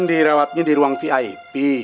dirawatnya di ruang vip